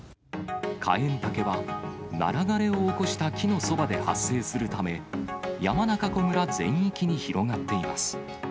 カエンタケは、ナラ枯れを起こした木のそばで発生するため、山中湖村全域に広がっています。